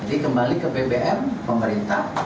jadi kembali ke bbm pemerintah